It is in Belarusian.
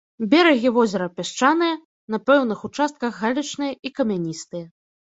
Берагі возера пясчаныя, на пэўных участках галечныя і камяністыя.